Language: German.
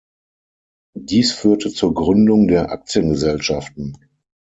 Dies führte zur Gründung der Aktiengesellschaften